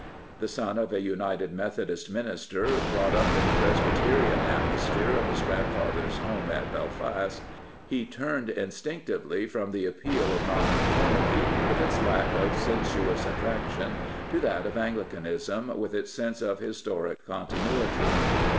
The son of a United Methodist minister, brought up in the Presbyterian atmosphere of his grandfather's home at Belfast, he turned instinctively from the appeal of Nonconformity, with its lack of sensuous attraction, to that of Anglicanism, with its sense of historic continuity.